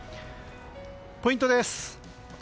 ポイントです。